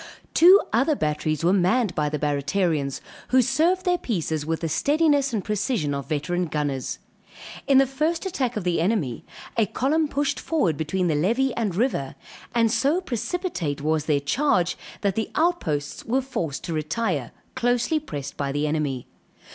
Two other batteries were manned by the Barratarians, who served their pieces with the steadiness and precision of veteran gunners. In the first attack of the enemy, a column pushed forward between the levee and river; and so precipitate was their charge that the outposts were forced to retire, closely pressed by the enemy.